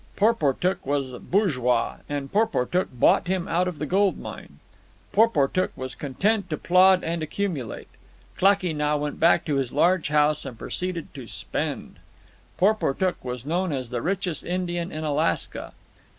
Porportuk was bourgeois, and Porportuk bought him out of the gold mine. Porportuk was content to plod and accumulate. Klakee Nah went back to his large house and proceeded to spend. Porportuk was known as the richest Indian in Alaska.